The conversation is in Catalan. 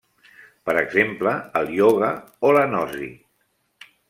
Per exemple, el ioga o la gnosi.